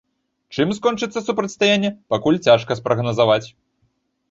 Чым скончыцца супрацьстаянне, пакуль цяжка спрагназаваць.